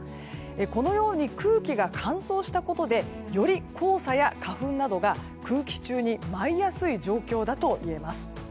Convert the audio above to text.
このように空気が乾燥したことでより黄砂や花粉などが空気中に舞いやすい状況だといえます。